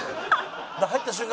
入った瞬間